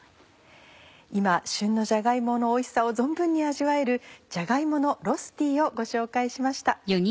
今旬のじゃが芋のおいしさを存分に味わえるじゃが芋のロスティーをご紹介しました。